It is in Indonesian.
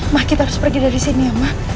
ma kita harus pergi dari sini ya ma